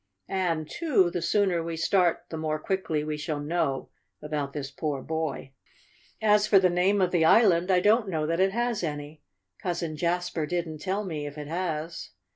And, too, the sooner we start the more quickly we shall know about this poor boy. "As for the name of the island, I don't know that it has any. Cousin Jasper didn't tell me, if it has.